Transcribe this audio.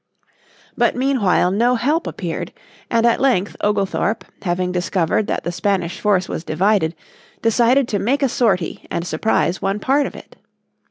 But meanwhile no help appeared, and at length Oglethorpe, having discovered that the Spanish force was divided, decided to make a sortie and surprise one part of it.